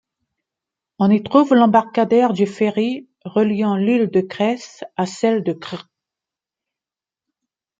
On y trouve l'embarcadère du ferry reliant l'île de Cres à celle de Krk.